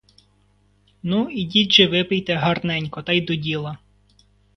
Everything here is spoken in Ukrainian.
Ну, ідіть же випийте гарненько — та й до діла.